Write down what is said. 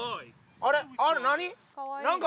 あれ何？